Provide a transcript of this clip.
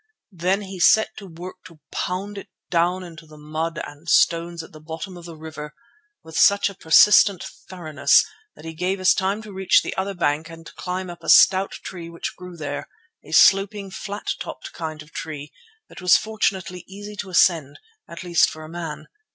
Then he set to work to pound it down into the mud and stones at the bottom of the river with such a persistent thoroughness, that he gave us time to reach the other bank and climb up a stout tree which grew there, a sloping, flat topped kind of tree that was fortunately easy to ascend, at least for a man.